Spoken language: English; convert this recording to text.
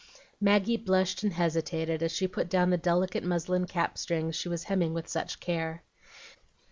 Maggie blushed and hesitated, as she put down the delicate muslin cap strings she was hemming with such care.